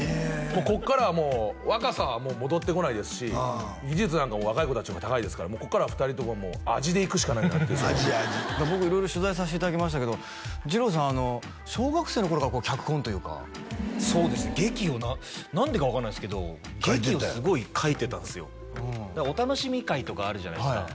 こっからはもう若さはもう戻ってこないですし技術なんかも若い子達の方が高いですからこっからは２人とももう味でいくしかないなって僕色々取材させていただきましたけどじろうさん小学生の頃から脚本というかそうですね劇を何でか分かんないですけど劇をすごい書いてたんすよお楽しみ会とかあるじゃないですか